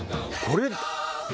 これ。